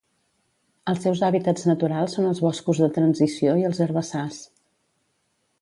Els seus hàbitats naturals són els boscos de transició i els herbassars.